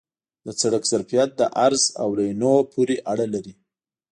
د سړک ظرفیت د عرض او لینونو پورې اړه لري